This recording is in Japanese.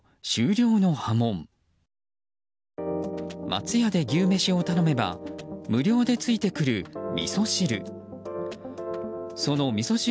松屋で牛めしを頼めば無料でついてくるみそ汁。